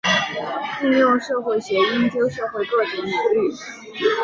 应用社会学研究社会各种领域。